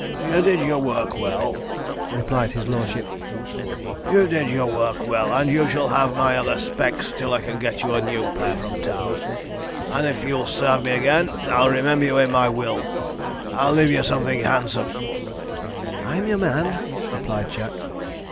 'You did your work well,' replied his lordship; 'you did your work well; and you shall have my other specs till I can get you a new pair from town; and if you'll serve me again, I'll remember you in my will I'll leave you something handsome.' 'I'm your man,' replied Jack.